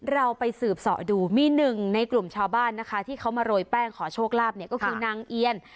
เราไปสืบสอดูมีหนึ่งในกลุ่มชาวบ้านนะคะที่เขามาโรยแป้งขอโชคลาภเนี่ยก็คือนางเอียน